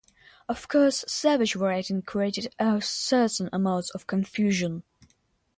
Of course, Savage writing created a certain amount of confusion.